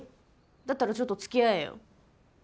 だったらちょっと付き合えよ。は？